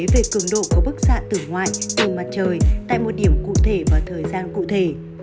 về cường độ có bức xạ từ ngoại từ mặt trời tại một điểm cụ thể và thời gian cụ thể